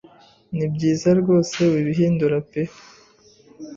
Nibyiza rwose wibihindura pe.